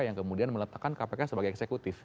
yang kemudian meletakkan kpk sebagai eksekutif